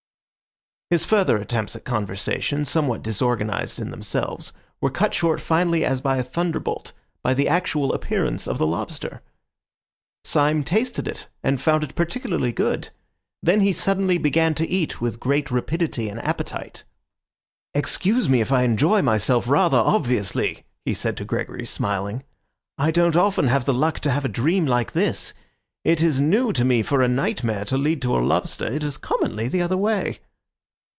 His further attempts at conversation, somewhat disorganised in themselves, were cut short finally as by a thunderbolt by the actual appearance of the lobster. Syme tasted it, and found it particularly good. Then he suddenly began to eat with great rapidity and appetite. "Excuse me if I enjoy myself rather obviously!" he said to Gregory, smiling. "I don't often have the luck to have a dream like this. It is new to me for a nightmare to lead to a lobster. It is commonly the other way."